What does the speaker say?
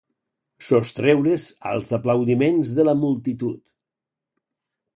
Sostreure's als aplaudiments de la multitud.